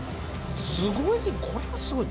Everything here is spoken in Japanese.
すごいこれはすごい。